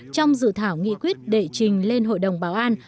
trong dự thảo nghị quyết đệ trình lên hội đồng bảo an